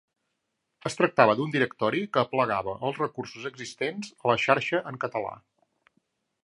Es tractava d'un directori que aplegava els recursos existents a la xarxa en català.